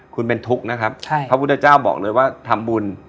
คุณเป็นทุกข์นะครับพระพุทธเจ้าบอกเลยว่าทำบุญ